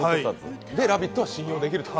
で「ラヴィット！」は信用できると。